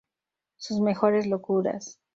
Sus mejores locuras".